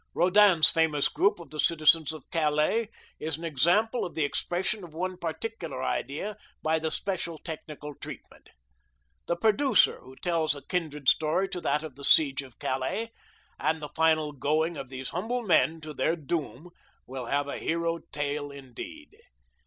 Rodin's famous group of the citizens of Calais is an example of the expression of one particular idea by a special technical treatment. The producer who tells a kindred story to that of the siege of Calais, and the final going of these humble men to their doom, will have a hero tale indeed.